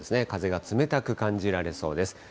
風が冷たく感じられそうです。